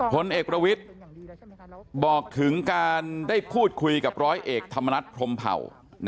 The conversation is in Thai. ผลเอกประวิทย์บอกถึงการได้พูดคุยกับร้อยเอกธรรมนัฐพรมเผ่า